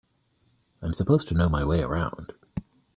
I'm supposed to know my way around.